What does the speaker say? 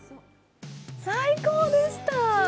最高でした。